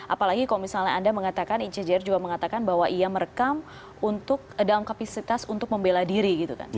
apalagi kalau misalnya anda mengatakan icjr juga mengatakan bahwa ia merekam dalam kapasitas untuk membela diri gitu kan